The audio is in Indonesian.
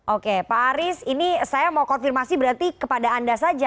oke pak aris ini saya mau konfirmasi berarti kepada anda saja